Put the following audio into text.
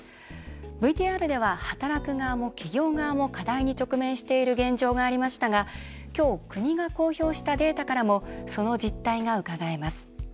ＶＴＲでは働く側も、企業側も課題に直面している現状がありましたが今日、国が公表したデータからもその実態が、うかがえます。